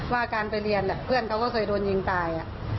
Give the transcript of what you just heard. ว่าการไปเรียนเพื่อนเขาก็เคยโดนยิงตาย